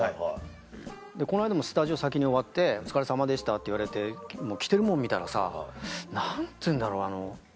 この間もスタジオ先に終わってお疲れさまでしたって言われて着てるもん見たらさ何ていうんだろうあの。